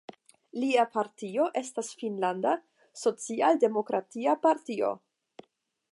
Lia partio estas Finnlanda Socialdemokratia Partio.